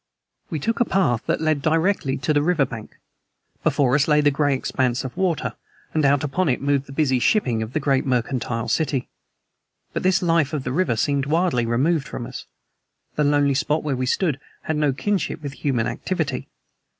We took a path that led directly to the river bank. Before us lay the gray expanse of water, and out upon it moved the busy shipping of the great mercantile city. But this life of the river seemed widely removed from us. The lonely spot where we stood had no kinship with human activity.